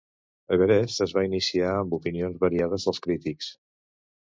"Everest" es va iniciar amb opinions variades dels crítics.